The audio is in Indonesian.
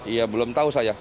ya belum tahu saya